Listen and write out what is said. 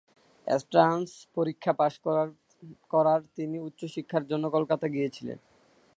Entrance পরীক্ষা পাশ করার তিনি উচ্চ শিক্ষার জন্য কলকাতা গিয়েছিলেন।